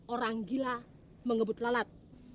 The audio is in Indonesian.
orang gila mengebut lalat